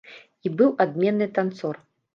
І быў адменны танцор.